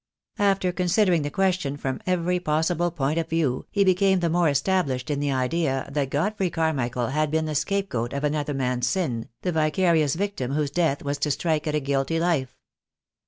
After considering the question from every possible point of view, he became the more established in the idea that Godfrey Carmichael had been the scapegoat of another man's sin, the vicarious victim whose death was to strike at a guilty life.